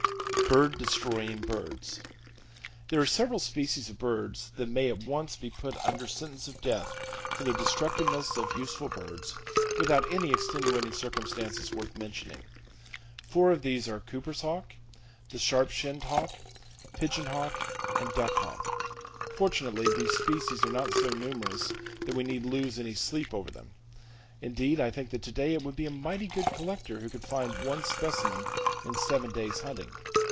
Bird Destroying Birds. —There are several species of birds that may at once be put under sentence of death for their destructiveness of useful birds, without any extenuating circumstances worth mentioning. Four of these are Cooper's Hawk, the Sharp Shinned Hawk, Pigeon Hawk and Duck Hawk. Fortunately these species are not so numerous that we need lose any sleep over them. Indeed, I think that today it would be a mighty good collector who could find one specimen in seven days' hunting.